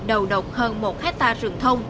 đầu độc hơn một hectare rừng thông